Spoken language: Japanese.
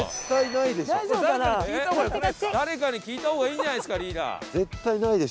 誰かに聞いた方がいいんじゃないですかリーダー。